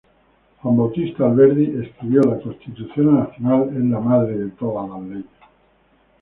Juan Bautista Alberdi escribió “La Constitución Nacional es la madre de todas las leyes.